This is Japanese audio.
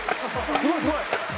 すごいすごい！